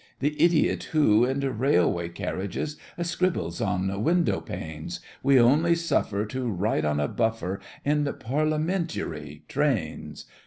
The idiot who, in railway carriages, Scribbles on window panes, We only suffer To ride on a buffer In Parliamentary trains.